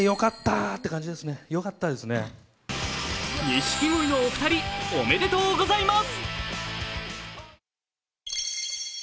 錦鯉のお二人おめでとうございます！